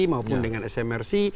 maupun dengan smrc